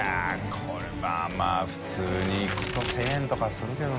これはまぁ普通にいくと１０００円とかするけど。